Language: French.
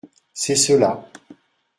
C’est cela.